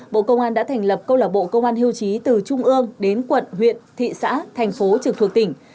bộ công an đã thành lập câu lạc bộ công an hưu trí từ trung ương đến quận huyện thị xã thành phố trực thuộc tỉnh